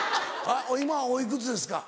今はおいくつですか？